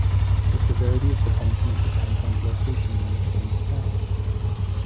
The severity of the punishment depends on the location in which one is found.